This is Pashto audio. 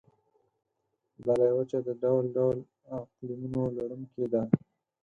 دا لویه وچه د ډول ډول اقلیمونو لرونکې ده.